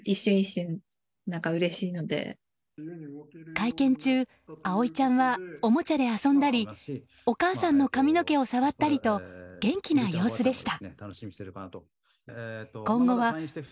会見中、葵ちゃんはおもちゃで遊んだりお母さんの髪の毛を触ったりと元気な様子でした。